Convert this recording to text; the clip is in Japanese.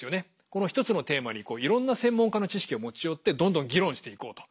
この１つのテーマにいろんな専門家の知識を持ち寄ってどんどん議論していこうと。